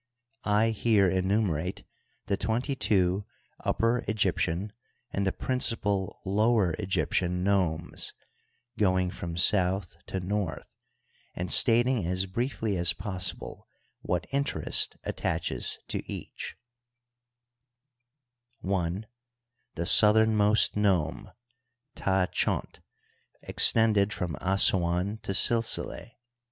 I here enumerate the twenty two Upper Eg^'ptian and the principal Lower Egyptian nomes, going from south to north, and stating as briefly as possible what interest attaches to each : L The southernmost nome, Ta Chont, extended from Assuan to Silsileh.